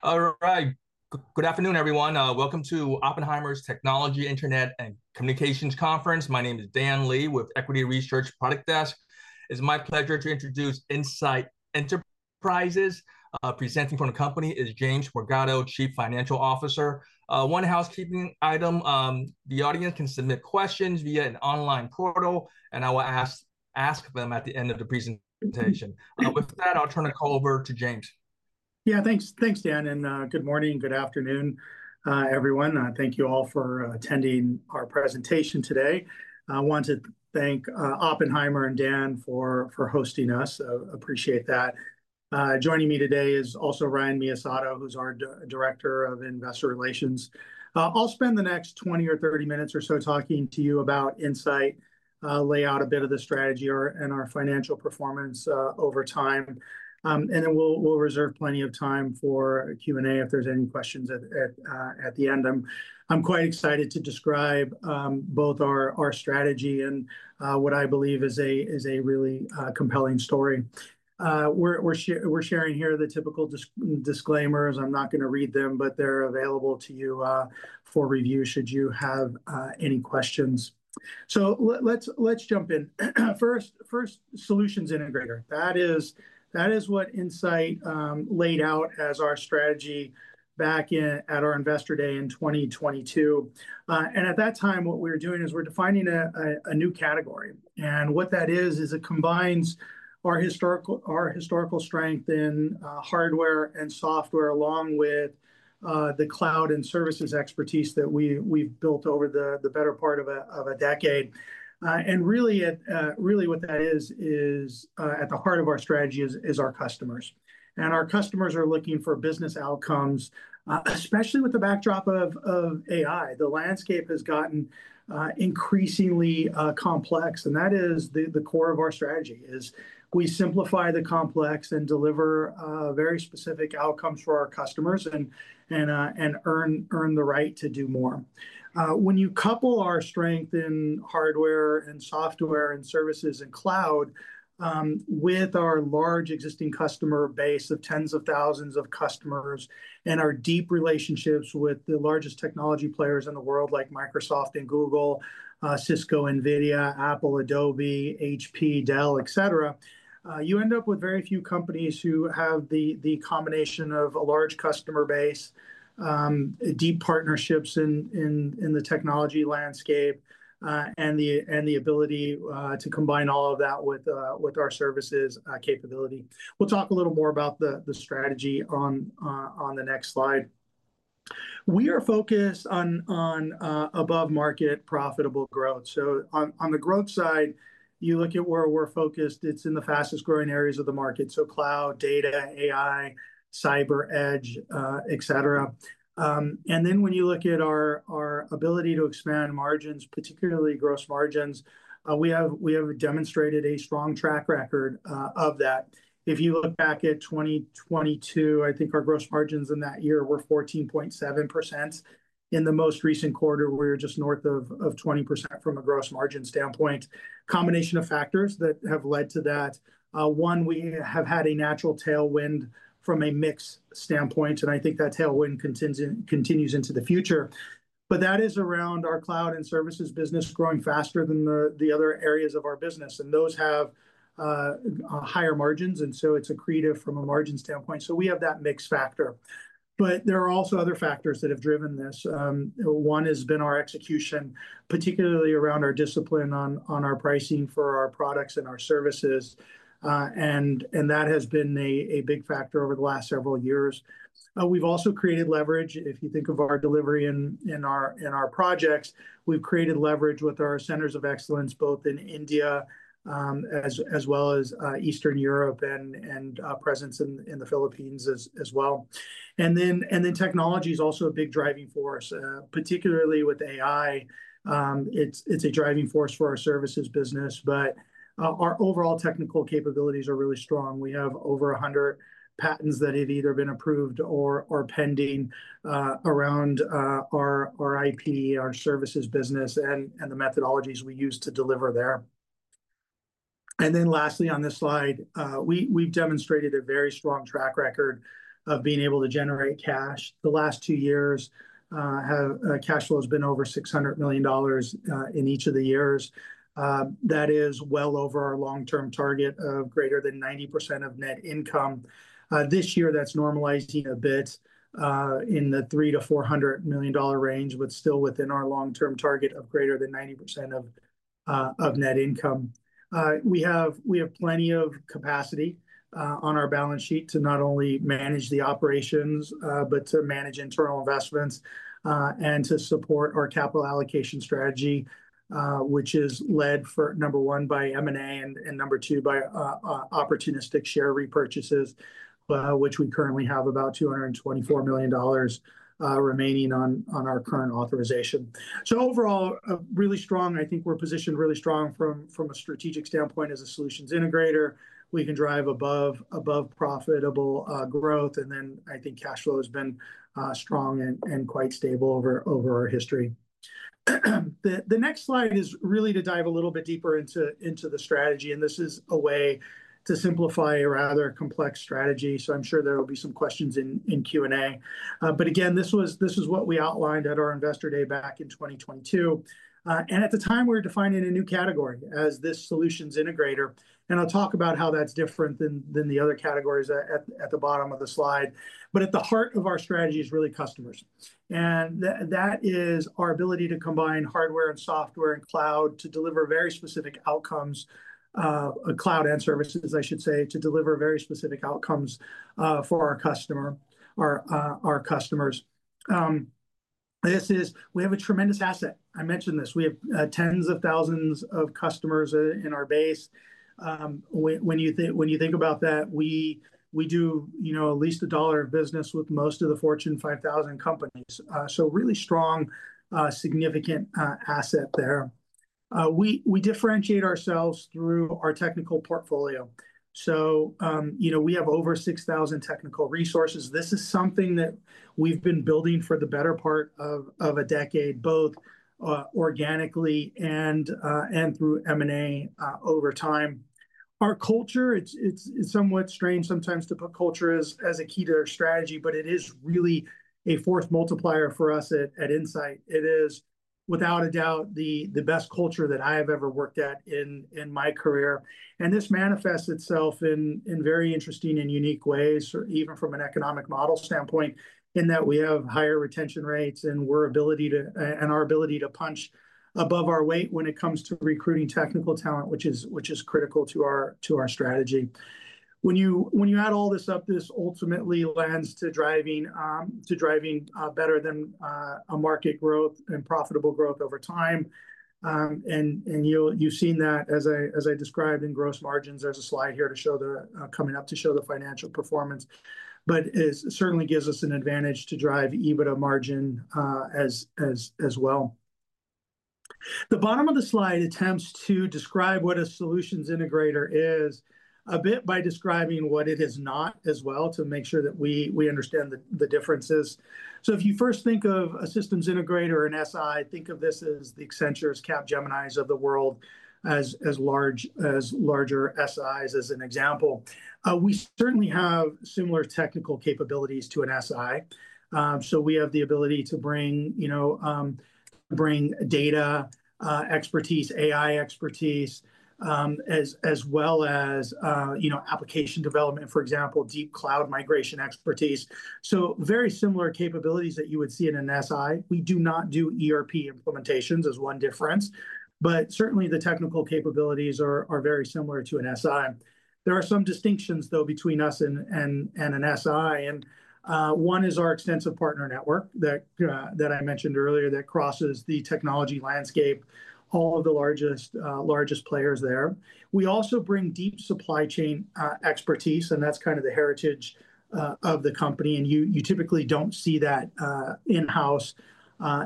All right. Good afternoon, everyone. Welcome to Oppenheimer's Technology, Internet, and Communications Conference. My name is Dan Lee with Equity Research Product Desk. It's my pleasure to introduce Insight Enterprises. Presenting from the company is James Morgado, Chief Financial Officer. One housekeeping item: the audience can submit questions via an online portal, and I will ask them at the end of the presentation. With that, I'll turn the call over to James. Yeah, thanks, thanks, Dan. Good morning, good afternoon, everyone. Thank you all for attending our presentation today. I want to thank Oppenheimer and Dan for hosting us. I appreciate that. Joining me today is also Ryan Miyasato, who's our Director of Investor Relations. I'll spend the next 20 minutes or 30 minutes or so talking to you about Insight, lay out a bit of the strategy and our financial performance over time. We'll reserve plenty of time for Q&A if there's any questions at the end. I'm quite excited to describe both our strategy and what I believe is a really compelling story. We're sharing here the typical disclaimers. I'm not going to read them, but they're available to you for review should you have any questions. Let's jump in. First, first solutions integrator. That is what Insight laid out as our strategy back at our Investor Day in 2022. At that time, what we were doing is defining a new category. What that is, is it combines our historical strength in hardware and software, along with the cloud and services expertise that we've built over the better part of a decade. Really, what that is, is at the heart of our strategy is our customers. Our customers are looking for business outcomes, especially with the backdrop of AI. The landscape has gotten increasingly complex. That is the core of our strategy, we simplify the complex and deliver very specific outcomes for our customers and earn the right to do more. When you couple our strength in hardware and software and services and cloud with our large existing customer base of tens of thousands of customers and our deep relationships with the largest technology players in the world, like Microsoft, Google, Cisco, NVIDIA, Apple, Adobe, HP, Dell, et cetera, you end up with very few companies who have the combination of a large customer base, deep partnerships in the technology landscape, and the ability to combine all of that with our services capability. We'll talk a little more about the strategy on the next slide. We are focused on above-market profitable growth. On the growth side, you look at where we're focused, it's in the fastest growing areas of the market: cloud, data, AI, cyber, edge, et cetera. When you look at our ability to expand margins, particularly gross margins, we have demonstrated a strong track record of that. If you look back at 2022, I think our gross margins in that year were 14.7%. In the most recent quarter, we were just north of 20% from a gross margin standpoint. A combination of factors that have led to that. One, we have had a natural tailwind from a mix standpoint. I think that tailwind continues into the future. That is around our cloud and services business growing faster than the other areas of our business, and those have higher margins. It's accretive from a margin standpoint. We have that mix factor, but there are also other factors that have driven this. One has been our execution, particularly around our discipline on our pricing for our products and our services. That has been a big factor over the last several years. We've also created leverage. If you think of our delivery in our projects, we've created leverage with our centers of excellence, both in India, as well as Eastern Europe and a presence in the Philippines as well. Technology is also a big driving force, particularly with AI. It's a driving force for our services business. Our overall technical capabilities are really strong. We have over 100 patents that have either been approved or pending around our IP, our services business, and the methodologies we use to deliver there. Lastly, on this slide, we've demonstrated a very strong track record of being able to generate cash. The last two years, cash flow has been over $600 million in each of the years. That is well over our long-term target of greater than 90% of net income. This year, that's normalized a bit in the $300 million-$400 million range, but still within our long-term target of greater than 90% of net income. We have plenty of capacity on our balance sheet to not only manage the operations, but to manage internal investments and to support our capital allocation strategy, which is led, number one, by M&A and, number two, by opportunistic share repurchases, which we currently have about $224 million remaining on our current authorization. Overall, really strong. I think we're positioned really strong from a strategic standpoint as a solutions integrator. We can drive above profitable growth. I think cash flow has been strong and quite stable over our history. The next slide is really to dive a little bit deeper into the strategy. This is a way to simplify a rather complex strategy. I'm sure there will be some questions in Q&A. This was what we outlined at our Investor Day back in 2022. At the time, we were defining a new category as this solutions integrator. I'll talk about how that's different than the other categories at the bottom of the slide. At the heart of our strategy is really customers. That is our ability to combine hardware and software and cloud to deliver very specific outcomes, cloud and services, I should say, to deliver very specific outcomes for our customers. We have a tremendous asset. I mentioned this. We have tens of thousands of customers in our base. When you think about that, we do at least $1 of business with most of the Fortune 5000 companies. Really strong, significant asset there. We differentiate ourselves through our technical portfolio. We have over 6,000 technical resources. This is something that we've been building for the better part of a decade, both organically and through M&A over time. Our culture, it's somewhat strange sometimes to put culture as a key to our strategy, but it is really a force multiplier for us at Insight Enterprises. It is, without a doubt, the best culture that I have ever worked at in my career. This manifests itself in very interesting and unique ways, even from an economic model standpoint, in that we have higher retention rates and our ability to punch above our weight when it comes to recruiting technical talent, which is critical to our strategy. When you add all this up, this ultimately lends to driving better than market growth and profitable growth over time. You've seen that, as I described in gross margins as a slide here coming up to show the financial performance. It certainly gives us an advantage to drive EBITDA margin as well. The bottom of the slide attempts to describe what a solutions integrator is a bit by describing what it is not as well to make sure that we understand the differences. If you first think of a systems integrator or an SI, think of this as the Accentures, Capgeminis of the world, as large SIs, as an example. We certainly have similar technical capabilities to an SI. We have the ability to bring data expertise, AI expertise, as well as application development, for example, deep cloud migration expertise. Very similar capabilities that you would see in an SI. We do not do ERP implementations, which is one difference. Certainly, the technical capabilities are very similar to an SI. There are some distinctions, though, between us and an SI. One is our extensive partner network that I mentioned earlier that crosses the technology landscape, all of the largest players there. We also bring deep supply chain expertise. That's kind of the heritage of the company. You typically don't see that in-house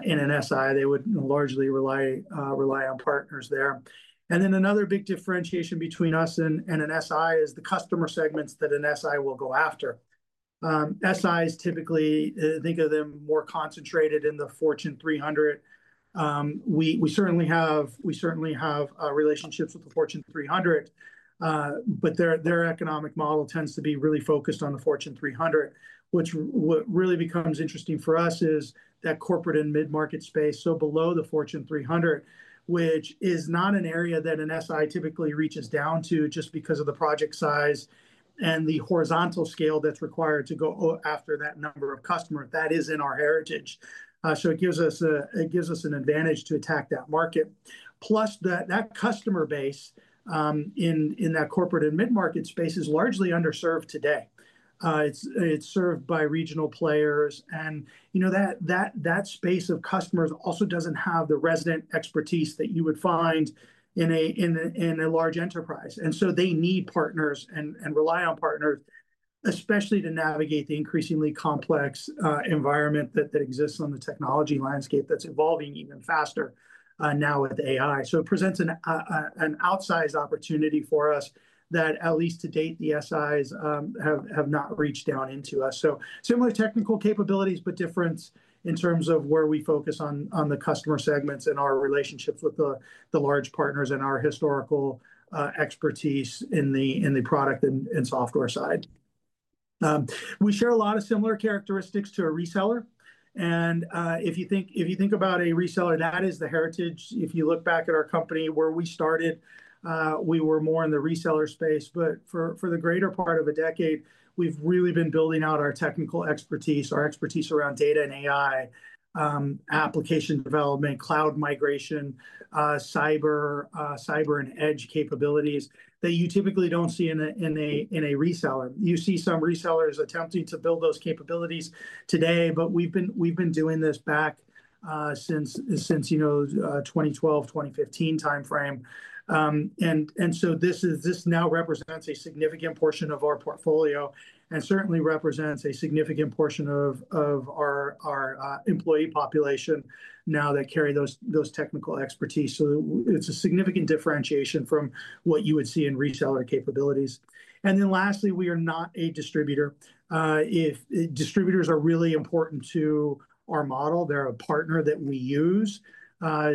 in an SI. They would largely rely on partners there. Another big differentiation between us and an SI is the customer segments that an SI will go after. SIs typically, think of them more concentrated in the Fortune 300. We certainly have relationships with the Fortune 300, but their economic model tends to be really focused on the Fortune 300. What really becomes interesting for us is that corporate and mid-market space, so below the Fortune 300, which is not an area that an SI typically reaches down to just because of the project size and the horizontal scale that's required to go after that number of customers. That is in our heritage. It gives us an advantage to attack that market. Plus, that customer base in that corporate and mid-market space is largely underserved today. It's served by regional players. That space of customers also doesn't have the resident expertise that you would find in a large enterprise. They need partners and rely on partners, especially to navigate the increasingly complex environment that exists on the technology landscape that's evolving even faster now with AI. It presents an outsized opportunity for us that, at least to date, the SIs have not reached down into. Similar technical capabilities, but difference in terms of where we focus on the customer segments and our relationships with the large partners and our historical expertise in the product and software side. We share a lot of similar characteristics to a reseller. If you think about a reseller, that is the heritage. If you look back at our company, where we started, we were more in the reseller space. For the greater part of a decade, we've really been building out our technical expertise, our expertise around data and AI, application development, cloud migration, cyber, and edge capabilities that you typically don't see in a reseller. You see some resellers attempting to build those capabilities today, but we've been doing this back since the 2012-2015 time frame. This now represents a significant portion of our portfolio and certainly represents a significant portion of our employee population now that carry those technical expertise. It's a significant differentiation from what you would see in reseller capabilities. Lastly, we are not a distributor. Distributors are really important to our model. They're a partner that we use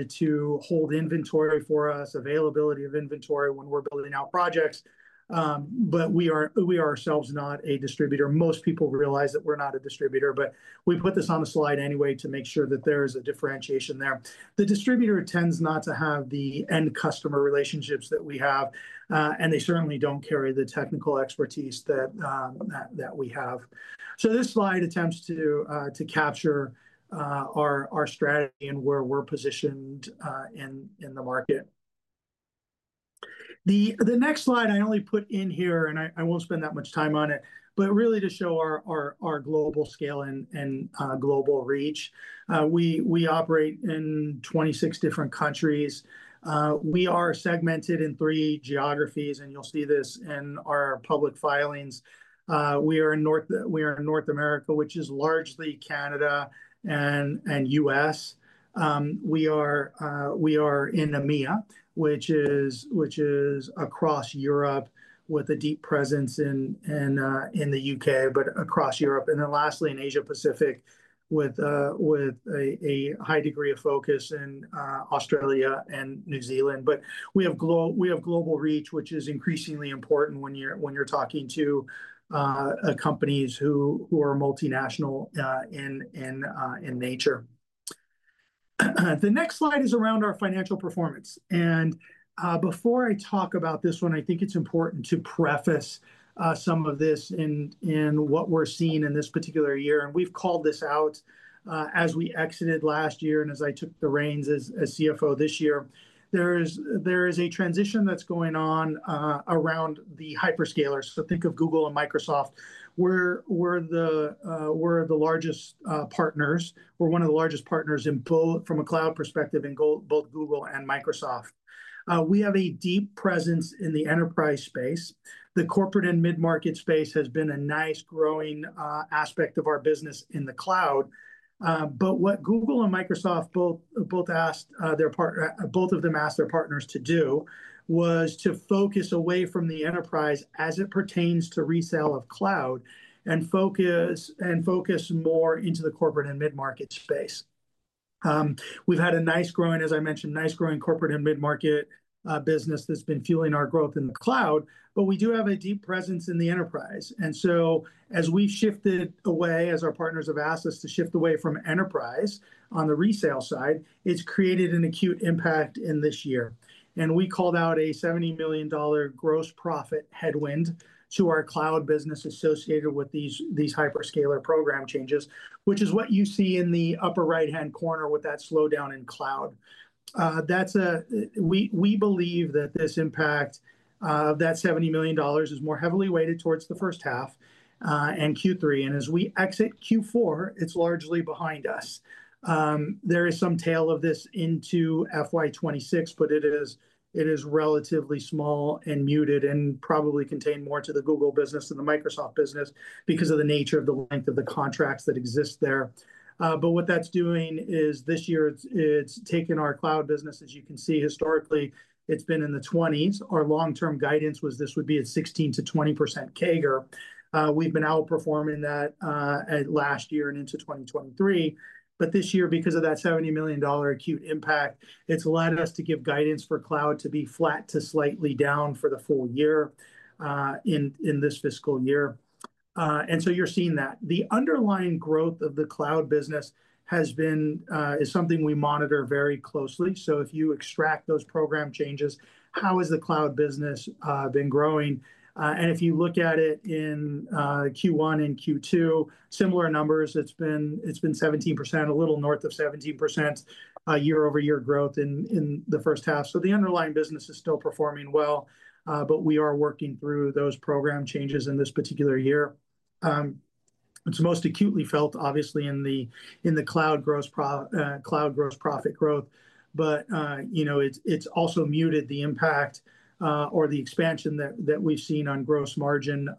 to hold inventory for us, availability of inventory when we're building out projects. We are ourselves not a distributor. Most people realize that we're not a distributor. We put this on a slide anyway to make sure that there is a differentiation there. The distributor tends not to have the end customer relationships that we have, and they certainly don't carry the technical expertise that we have. This slide attempts to capture our strategy and where we're positioned in the market. The next slide I only put in here, and I won't spend that much time on it, but really to show our global scale and global reach. We operate in 26 different countries. We are segmented in three geographies, and you'll see this in our public filings. We are in North America, which is largely Canada and the U.S. We are in EMEA, which is across Europe with a deep presence in the U.K., but across Europe. Lastly, in Asia-Pacific, with a high degree of focus in Australia and New Zealand. We have global reach, which is increasingly important when you're talking to companies who are multinational in nature. The next slide is around our financial performance. Before I talk about this one, I think it's important to preface some of this in what we're seeing in this particular year. We've called this out as we exited last year and as I took the reins as CFO this year. There is a transition that's going on around the hyperscalers. Think of Google and Microsoft. We're one of the largest partners from a cloud perspective in both Google and Microsoft. We have a deep presence in the enterprise space. The corporate and mid-market space has been a nice growing aspect of our business in the cloud. What Google and Microsoft both asked their partners to do was to focus away from the enterprise as it pertains to resale of cloud and focus more into the corporate and mid-market space. We've had a nice growing, as I mentioned, nice growing corporate and mid-market business that's been fueling our growth in the cloud. We do have a deep presence in the enterprise. As we shifted away, as our partners have asked us to shift away from enterprise on the resale side, it's created an acute impact in this year. We called out a $70 million gross profit headwind to our cloud business associated with these hyperscaler program changes, which is what you see in the upper right-hand corner with that slowdown in cloud. We believe that this impact, that $70 million, is more heavily weighted towards the first half and Q3. As we exit Q4, it's largely behind us. There is some tail of this into FY 2026, but it is relatively small and muted and probably contained more to the Google business than the Microsoft business because of the nature of the length of the contracts that exist there. What that's doing is this year, it's taken our cloud business, as you can see, historically, it's been in the 20s. Our long-term guidance was this would be a 16%-20% CAGR. We've been outperforming that last year and into 2023. This year, because of that $70 million acute impact, it's led us to give guidance for cloud to be flat to slightly down for the full year in this fiscal year. You're seeing that. The underlying growth of the cloud business has been something we monitor very closely. If you extract those program changes, how has the cloud business been growing? If you look at it in Q1 and Q2, similar numbers. It's been 17%, a little north of 17% year-over-year growth in the first half. The underlying business is still performing well. We are working through those program changes in this particular year. It's most acutely felt, obviously, in the cloud gross profit growth. You know it's also muted the impact or the expansion that we've seen on gross margin,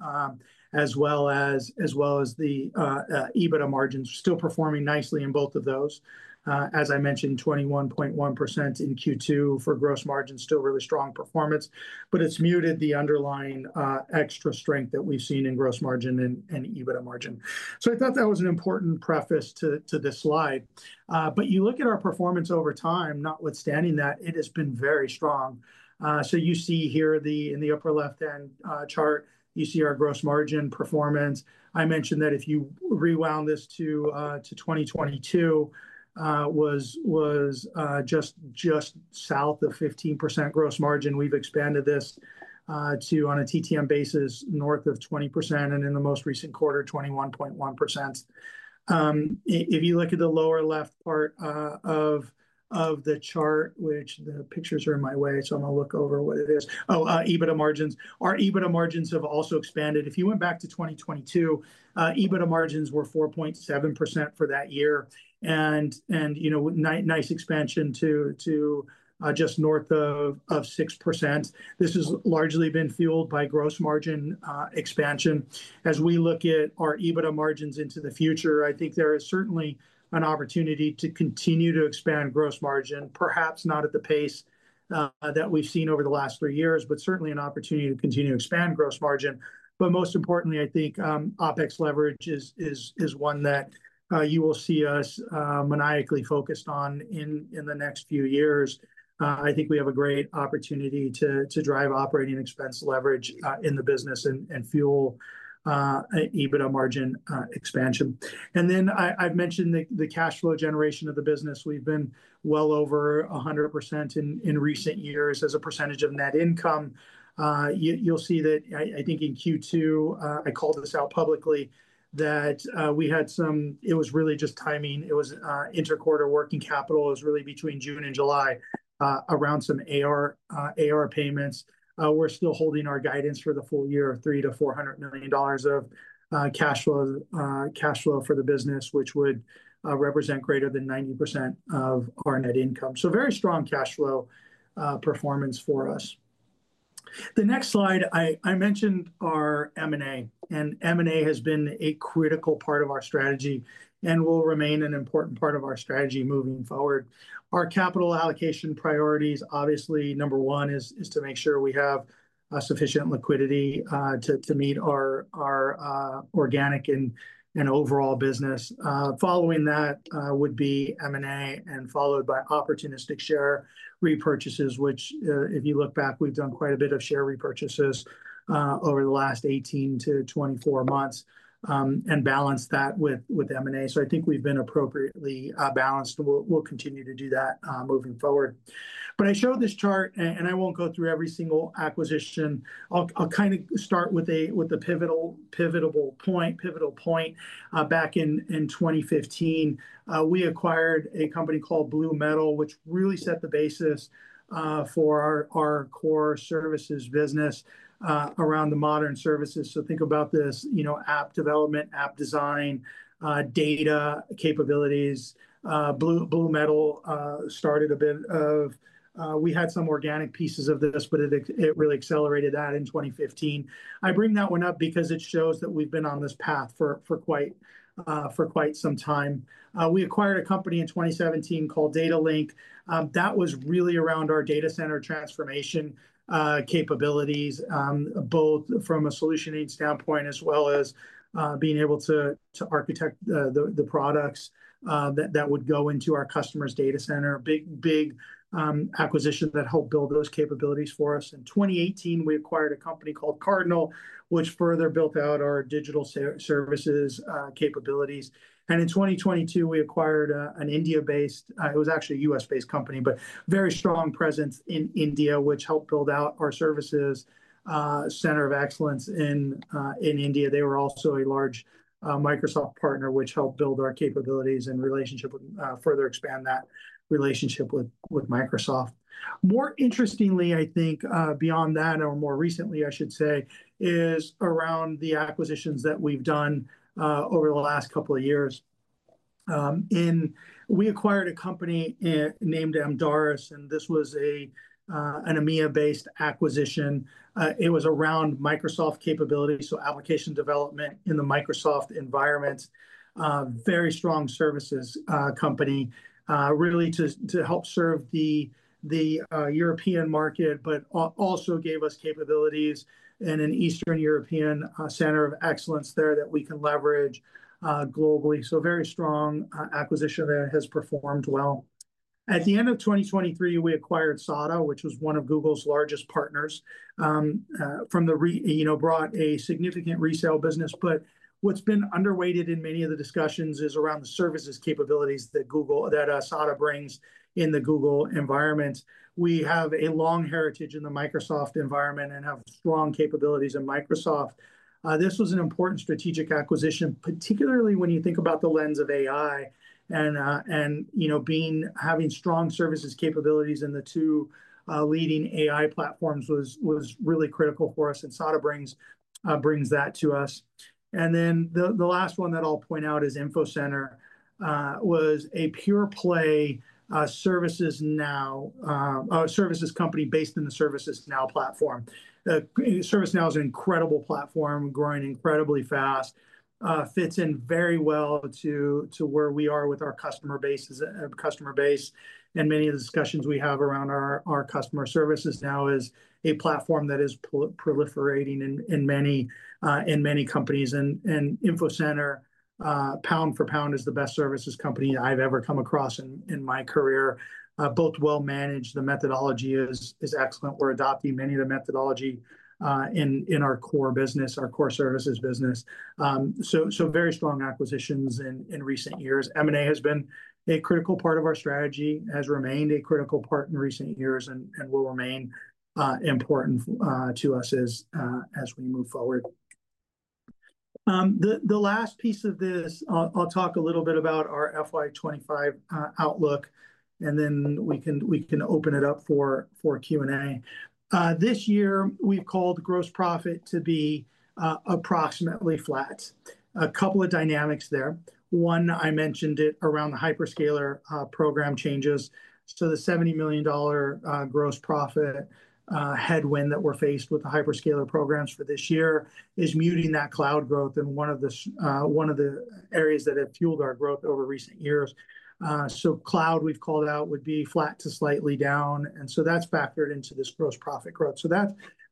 as well as the EBITDA margins, still performing nicely in both of those. As I mentioned, 21.1% in Q2 for gross margins, still really strong performance. It's muted the underlying extra strength that we've seen in gross margin and EBITDA margin. I thought that was an important preface to this slide. You look at our performance over time, notwithstanding that, it has been very strong. You see here in the upper left-hand chart, you see our gross margin performance. I mentioned that if you rewound this to 2022, it was just south of 15% gross margin. We've expanded this to, on a TTM basis, north of 20%. In the most recent quarter, 21.1%. If you look at the lower left part of the chart, which the pictures are in my way, so I'm going to look over what it is. Oh, EBITDA margins. Our EBITDA margins have also expanded. If you went back to 2022, EBITDA margins were 4.7% for that year. You know, nice expansion to just north of 6%. This has largely been fueled by gross margin expansion. As we look at our EBITDA margins into the future, I think there is certainly an opportunity to continue to expand gross margin, perhaps not at the pace that we've seen over the last three years, but certainly an opportunity to continue to expand gross margin. Most importantly, I think OpEx leverage is one that you will see us maniacally focused on in the next few years. I think we have a great opportunity to drive operating expense leverage in the business and fuel EBITDA margin expansion. I've mentioned the cash flow generation of the business. We've been well over 100% in recent years as a percentage of net income. You'll see that I think in Q2, I called this out publicly, that we had some, it was really just timing. It was interquartile working capital. It was really between June and July around some AR payments. We're still holding our guidance for the full year of $300 million-$400 million of cash flow for the business, which would represent greater than 90% of our net income. Very strong cash flow performance for us. The next slide, I mentioned our M&A. M&A has been a critical part of our strategy and will remain an important part of our strategy moving forward. Our capital allocation priorities, obviously, number one is to make sure we have sufficient liquidity to meet our organic and overall business. Following that would be M&A and followed by opportunistic share repurchases, which if you look back, we've done quite a bit of share repurchases over the last 18 months-24 months and balanced that with M&A. I think we've been appropriately balanced. We'll continue to do that moving forward. I showed this chart, and I won't go through every single acquisition. I'll kind of start with a pivotal point. Back in 2015, we acquired a company called Blue Metal, which really set the basis for our core services business around the modern services. Think about this, you know, app development, app design, data capabilities. Blue Metal started a bit of, we had some organic pieces of this, but it really accelerated that in 2015. I bring that one up because it shows that we've been on this path for quite some time. We acquired a company in 2017 called Datalink. That was really around our data center transformation capabilities, both from a solutioning standpoint as well as being able to architect the products that would go into our customer's data center. A big, big acquisition that helped build those capabilities for us. In 2018, we acquired a company called Cardinal, which further built out our digital services capabilities. In 2022, we acquired an India-based, it was actually a U.S.-based company, but very strong presence in India, which helped build out our services center of excellence in India. They were also a large Microsoft partner, which helped build our capabilities and further expand that relationship with Microsoft. More interestingly, I think beyond that, or more recently, I should say, is around the acquisitions that we've done over the last couple of years. We acquired a company named Amdaris. This was an EMEA-based acquisition. It was around Microsoft capabilities, so application development in the Microsoft environment. Very strong services company, really to help serve the European market, but also gave us capabilities and an Eastern Europe center of excellence there that we can leverage globally. Very strong acquisition that has performed well. At the end of 2023, we acquired SADA, which was one of Google's largest partners. From the, you know, brought a significant resale business. What's been underweighted in many of the discussions is around the services capabilities that SADA brings in the Google environment. We have a long heritage in the Microsoft environment and have strong capabilities in Microsoft. This was an important strategic acquisition, particularly when you think about the lens of AI. Having strong services capabilities in the two leading AI platforms was really critical for us. SADA brings that to us. The last one that I'll point out is Infocenter, was a pure play ServiceNow, a services company based in the ServiceNow platform. ServiceNow is an incredible platform, growing incredibly fast. Fits in very well to where we are with our customer base. Many of the discussions we have around our customer, ServiceNow is a platform that is proliferating in many companies. Infocenter, pound for pound, is the best services company I've ever come across in my career. Both well managed, the methodology is excellent. We're adopting many of the methodology in our core business, our core services business. Very strong acquisitions in recent years. M&A has been a critical part of our strategy, has remained a critical part in recent years, and will remain important to us as we move forward. The last piece of this, I'll talk a little bit about our FY 2025 outlook. Then we can open it up for Q&A. This year, we've called gross profit to be approximately flat. A couple of dynamics there. One, I mentioned it around the hyperscaler program changes. The $70 million gross profit headwind that we're faced with the hyperscaler programs for this year is muting that cloud growth, and one of the areas that have fueled our growth over recent years. Cloud, we've called out, would be flat to slightly down, and that's factored into this gross profit growth.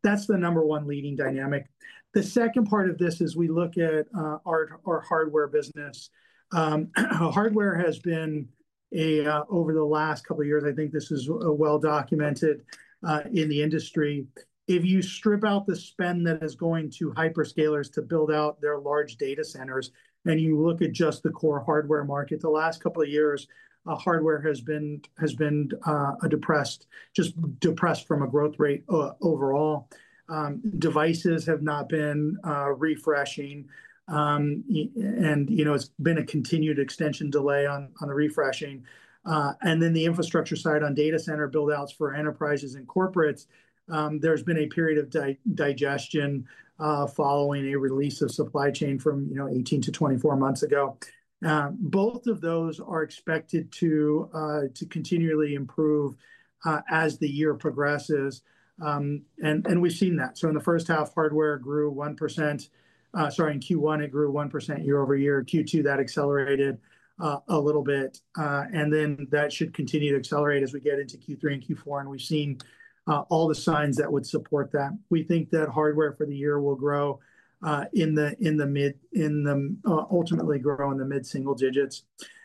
That's the number one leading dynamic. The second part of this is we look at our hardware business. Hardware has been, over the last couple of years, I think this is well documented in the industry. If you strip out the spend that is going to hyperscalers to build out their large data centers and you look at just the core hardware market, the last couple of years, hardware has been depressed, just depressed from a growth rate overall. Devices have not been refreshing, and it's been a continued extension delay on the refreshing. The infrastructure side on data center buildouts for enterprises and corporates, there's been a period of digestion following a release of supply chain from 18 months-24 months ago. Both of those are expected to continually improve as the year progresses. We've seen that. In the first half, hardware grew 1%. In Q1, it grew 1% year-over-year. Q2, that accelerated a little bit, and that should continue to accelerate as we get into Q3 and Q4. We've seen all the signs that would support that. We think that hardware for the year will grow in the mid-single digits.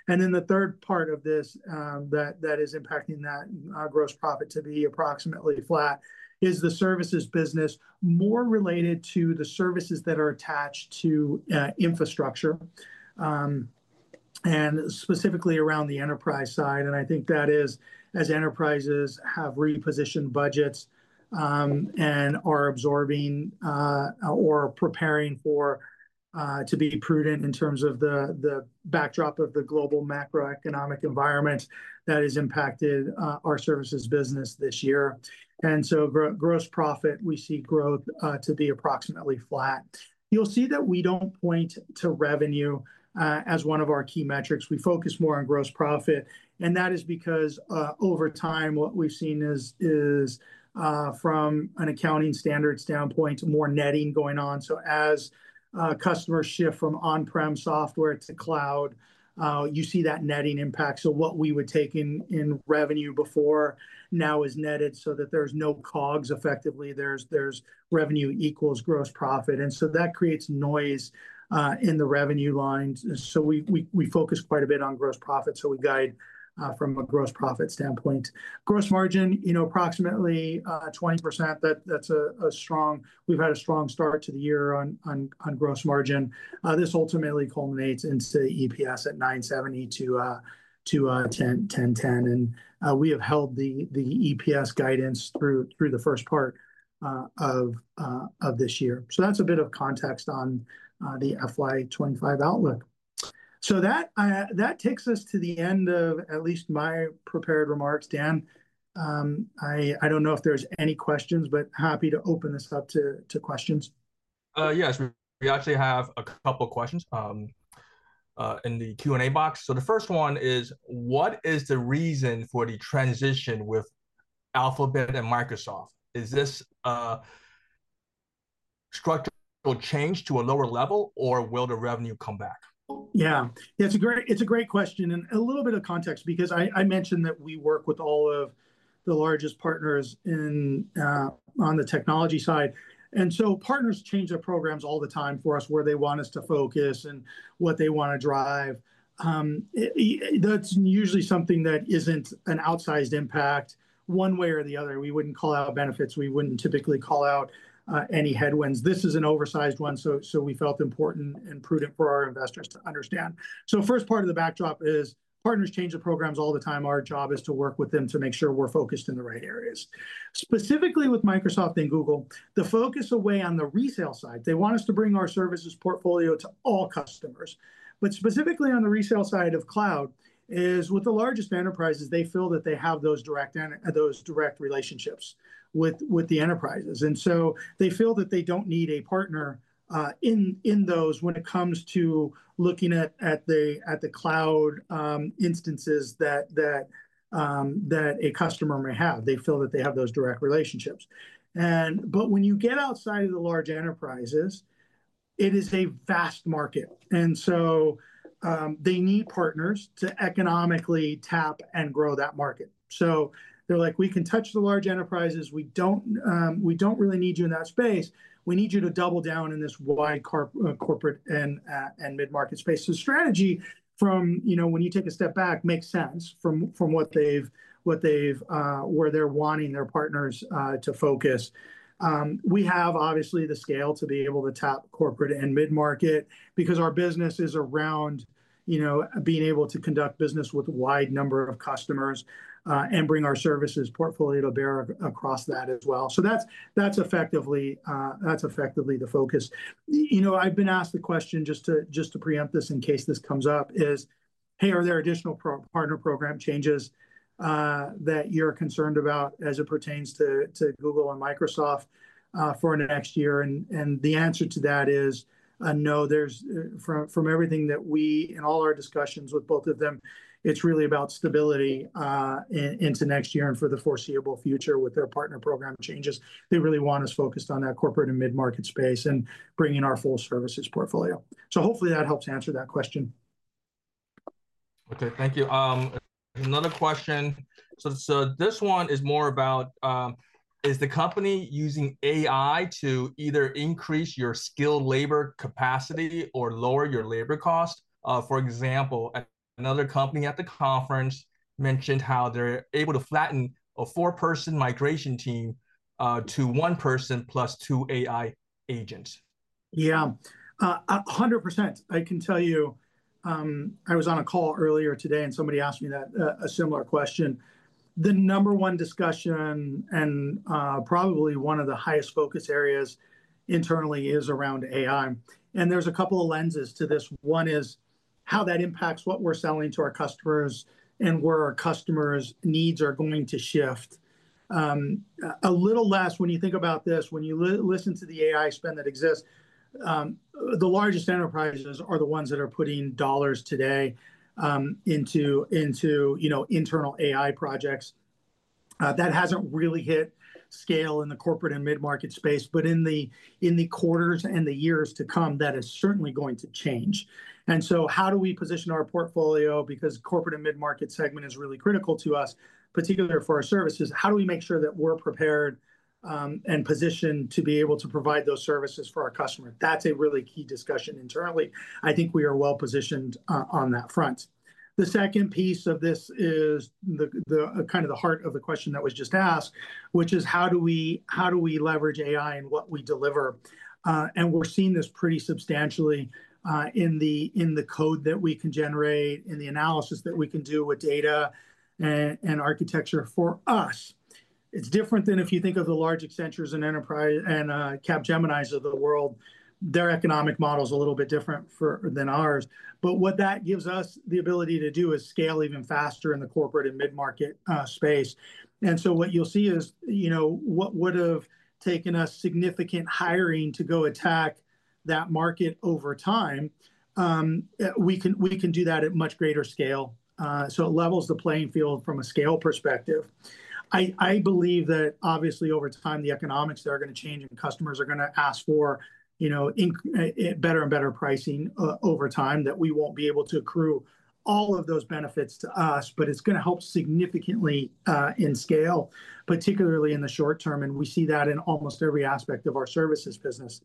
The third part of this that is impacting that gross profit to be approximately flat is the services business, more related to the services that are attached to infrastructure and specifically around the enterprise side. I think that is as enterprises have repositioned budgets and are absorbing or preparing to be prudent in terms of the backdrop of the global macroeconomic environment that has impacted our services business this year. Gross profit, we see growth to be approximately flat. You'll see that we don't point to revenue as one of our key metrics. We focus more on gross profit. That is because over time, what we've seen is, from an accounting standards standpoint, more netting going on. As customers shift from on-prem software to cloud, you see that netting impact. What we would take in revenue before now is netted so that there's no COGS effectively. Revenue equals gross profit. That creates noise in the revenue lines. We focus quite a bit on gross profit. We guide from a gross profit standpoint. Gross margin, you know, approximately 20%. That's strong. We've had a strong start to the year on gross margin. This ultimately culminates in EPS at $9.70-$10.10. We have held the EPS guidance through the first part of this year. That's a bit of context on the FY 2025 outlook. That takes us to the end of at least my prepared remarks. Dan, I don't know if there's any questions, but happy to open this up to questions. Yes, we actually have a couple of questions in the Q&A box. The first one is, what is the reason for the transition with Google and Microsoft? Is this a structural change to a lower level, or will the revenue come back? Yeah. Yeah. It's a great question and a little bit of context because I mentioned that we work with all of the largest partners on the technology side. Partners change their programs all the time for us, where they want us to focus and what they want to drive. That's usually something that isn't an outsized impact one way or the other. We wouldn't call out benefits. We wouldn't typically call out any headwinds. This is an oversized one. We felt it important and prudent for our investors to understand. The first part of the backdrop is partners change their programs all the time. Our job is to work with them to make sure we're focused in the right areas. Specifically with Microsoft and Google, the focus away on the resale side. They want us to bring our services portfolio to all customers. Specifically on the resale side of cloud is with the largest enterprises, they feel that they have those direct relationships with the enterprises. They feel that they don't need a partner in those when it comes to looking at the cloud instances that a customer may have. They feel that they have those direct relationships. When you get outside of the large enterprises, it is a vast market. They need partners to economically tap and grow that market. They're like, we can touch the large enterprises. We don't really need you in that space. We need you to double down in this wide corporate and mid-market space. Strategy from when you take a step back makes sense from where they're wanting their partners to focus. We have obviously the scale to be able to tap corporate and mid-market because our business is around being able to conduct business with a wide number of customers and bring our services portfolio to bear across that as well. That's effectively the focus. I've been asked the question, just to preempt this in case this comes up, is, hey, are there additional partner program changes that you're concerned about as it pertains to Google and Microsoft for next year? The answer to that is no. From everything that we and all our discussions with both of them, it's really about stability into next year and for the foreseeable future with their partner program changes. They really want us focused on that corporate and mid-market space and bringing our full services portfolio. Hopefully, that helps answer that question. OK, thank you. Another question. This one is more about, is the company using AI to either increase your skilled labor capacity or lower your labor cost? For example, another company at the conference mentioned how they're able to flatten a four-person migration team to one person plus two AI agents. Yeah, 100%. I can tell you, I was on a call earlier today and somebody asked me a similar question. The number one discussion and probably one of the highest focus areas internally is around AI. There are a couple of lenses to this. One is how that impacts what we're selling to our customers and where our customers' needs are going to shift. A little less, when you think about this, when you listen to the AI spend that exists, the largest enterprises are the ones that are putting dollars today into internal AI projects. That hasn't really hit scale in the corporate and mid-market space. In the quarters and the years to come, that is certainly going to change. How do we position our portfolio? The corporate and mid-market segment is really critical to us, particularly for our services. How do we make sure that we're prepared and positioned to be able to provide those services for our customer? That's a really key discussion internally. I think we are well positioned on that front. The second piece of this is kind of the heart of the question that was just asked, which is how do we leverage AI in what we deliver? We're seeing this pretty substantially in the code that we can generate, in the analysis that we can do with data and architecture for us. It's different than if you think of the large Accentures and Capgeminis of the world. Their economic model is a little bit different than ours. What that gives us the ability to do is scale even faster in the corporate and mid-market space. What you'll see is, what would have taken us significant hiring to go attack that market over time, we can do that at much greater scale. It levels the playing field from a scale perspective. I believe that, obviously, over time, the economics are going to change and customers are going to ask for better and better pricing over time, that we won't be able to accrue all of those benefits to us. It's going to help significantly in scale, particularly in the short term. We see that in almost every aspect of our services business.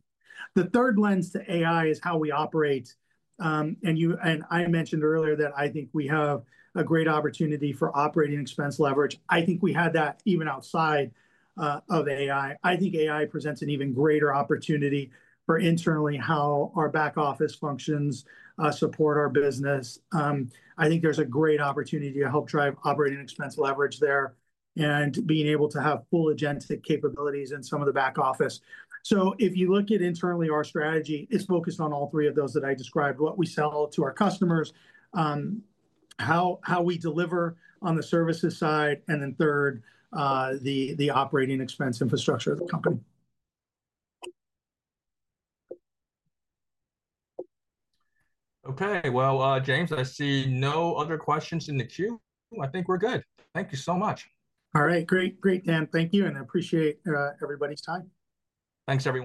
The third lens to AI is how we operate. I mentioned earlier that I think we have a great opportunity for operating expense leverage. I think we had that even outside of AI. I think AI presents an even greater opportunity for internally how our back office functions support our business. I think there's a great opportunity to help drive operating expense leverage there, and being able to have full agentic capabilities in some of the back office. If you look at internally, our strategy is focused on all three of those that I described: what we sell to our customers, how we deliver on the services side, and then, third, the operating expense infrastructure of the company. OK, James, I see no other questions in the queue. I think we're good. Thank you so much. All right. Great, great, Dan. Thank you. I appreciate everybody's time. Thanks, everybody.